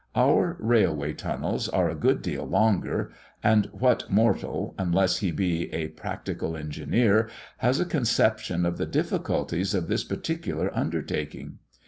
Our railway tunnels are a good deal longer; and what mortal, unless he be a practical engineer, has a conception of the difficulties of this particular undertaking?